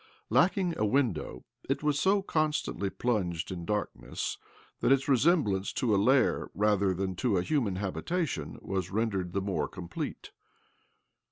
Lacking a window, it was so constantly plunged in darkness that its resemblance to a lair rather than to a human habitation was rendered the more complete.